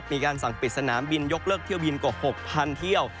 มีการสั่งปิดสนามบินยกเลิกเที่ยวบินกว่า๖๐๐เที่ยว